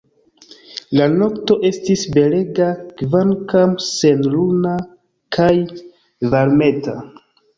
La nokto estis belega, kvankam senluna, kaj varmeta.